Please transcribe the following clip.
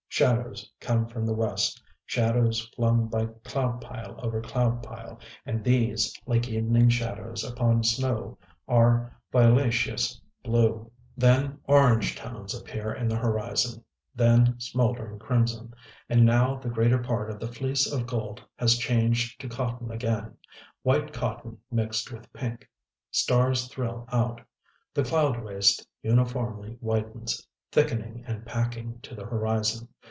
Shadows come from the west, shadows flung by cloud pile over cloud pile; and these, like evening shadows upon snow, are violaceous blue.... Then orange tones appear in the horizon; then smouldering crimson. And now the greater part of the Fleece of Gold has changed to cotton again, white cotton mixed with pink.... Stars thrill out. The cloud waste uniformly whitens; thickening and packing to the horizon.